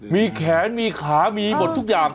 มีแขนมีขามีหมดทุกอย่าง